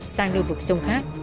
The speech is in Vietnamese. sang lưu vực sông khác